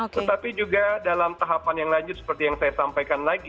tetapi juga dalam tahapan yang lanjut seperti yang saya sampaikan lagi